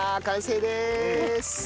完成です！